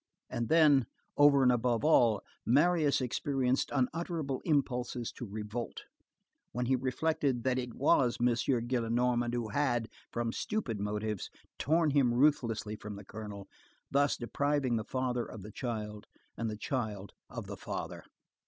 And then, over and above all, Marius experienced unutterable impulses to revolt, when he reflected that it was M. Gillenormand who had, from stupid motives, torn him ruthlessly from the colonel, thus depriving the father of the child, and the child of the father.